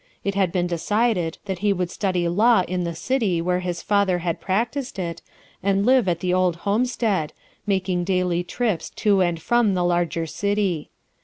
It had been decided that he would study law in the city where his father had practised it, and live at the i ( j homestead, making daily trips to and fr om Ule larger city.